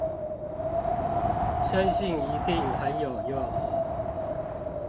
深信一定很有用